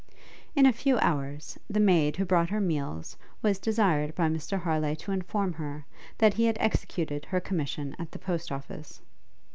In a few hours, the maid who brought her meals, was desired by Mr Harleigh to inform her, that he had executed her commission at the post office.